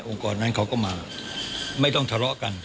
กรนั้นเขาก็มาไม่ต้องทะเลาะกัน